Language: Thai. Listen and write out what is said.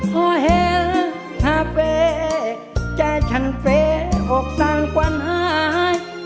พอเห็นถ้าเฟ้ใจฉันเฟ้อกสังความหาย